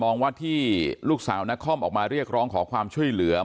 ว่าที่ลูกสาวนครออกมาเรียกร้องขอความช่วยเหลือ